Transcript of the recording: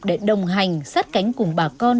để đồng hành sát cánh cùng bà con